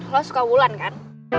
lo suka wulan kan